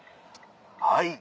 はい。